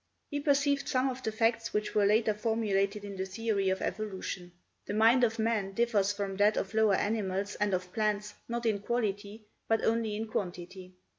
He perceived some of the facts which were later formulated in the theory of evolution. "The mind of man differs from that of lower animals and of plants not in quality but only in quantity....